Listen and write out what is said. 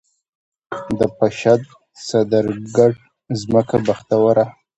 د پشد، صدرګټ ځمکه بختوره